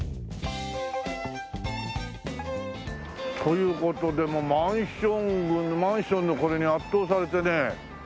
という事でマンション群のマンションのこれに圧倒されてね。